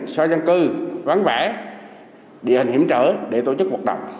xã dân cư ván vẽ địa hình hiểm trở để tổ chức cuộc đọc